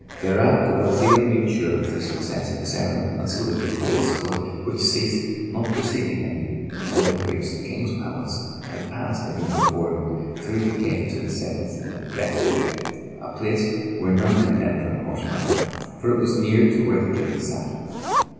[FN#464] Thereat the Wazir made sure of the success of his errand and saluted the escort, which ceased not preceding him till they reached the King's palace and passed in before him through the gate to the seventh vestibule, a place where none might enter on horseback, for it was near to where the King sat.